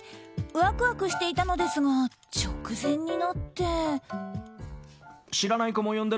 ワクワクしていたのですが直前になって。